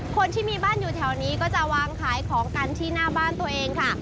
คนที่มีบ้านอยู่แถวนี้ก็จะวางขายของกันที่หน้าบ้านตัวเองค่ะ